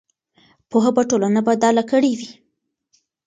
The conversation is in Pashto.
پوهه به ټولنه بدله کړې وي.